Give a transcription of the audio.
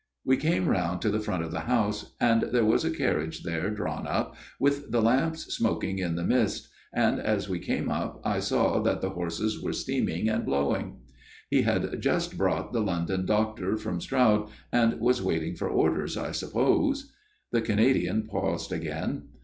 " We came round to the front of the house ; and there was a carriage there drawn up, with the lamps smoking in the mist, and as we came up I saw that the horses were steaming and blowing. He had just brought the London doctor from Stroud and was waiting for orders, I suppose." The Canadian paused again.